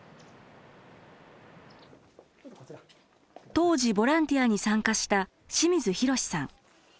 当時ボランティアに参加した清水浩司さん。